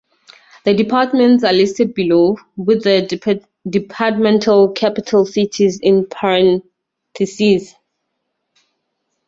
The departments are listed below, with the departmental capital cities in parentheses.